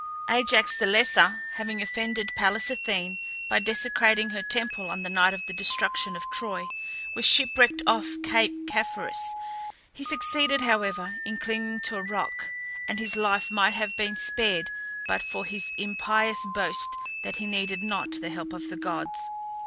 Ajax the Lesser having offended Pallas Athene by desecrating her temple on the night of the destruction of Troy, was shipwrecked off Cape Caphareus. He succeeded, however, in clinging to a rock, and his life might have been spared but for his impious boast that he needed not the help of the gods.